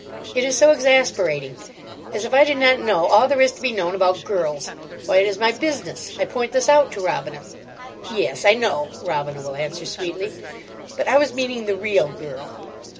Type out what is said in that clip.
It is so exasperating. As if I did not know all there is to be known about girls! Why, it is my business. I point this out to Robina. "Yes, I know," Robina will answer sweetly. "But I was meaning the real girl."